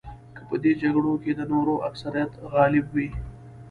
که په دې جګړو کې د نورو اکثریت غالب وي.